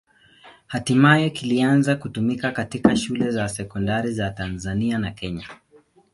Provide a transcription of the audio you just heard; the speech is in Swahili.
Hatimaye kilianza kutumika katika shule za sekondari za Tanzania na Kenya.